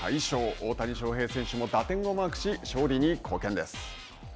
大谷翔平選手も打点をマークし勝利に貢献です。